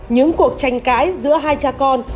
những cuộc tranh cãi giữa hai cha con